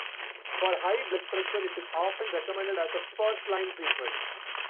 For high blood pressure it is often recommended as a first line treatment.